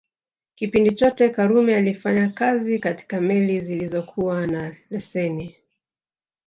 Kipindi chote Karume alifanya kazi katika meli zilizokuwa na leseni